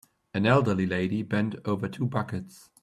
An elderly lady bent over two buckets.